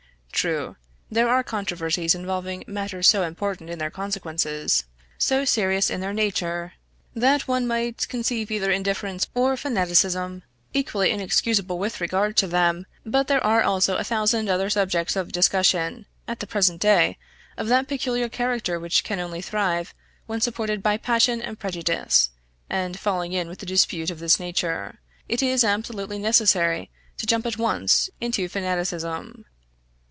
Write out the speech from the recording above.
True, there are controversies involving matters so important in their consequences, so serious in their nature, that one might conceive either indifference or fanaticism equally inexcusable with regard to them; but there are also a thousand other subjects of discussion, at the present day, of that peculiar character which can only thrive when supported by passion and prejudice, and falling in with a dispute of this nature, it is absolutely necessary to jump at once into fanaticism.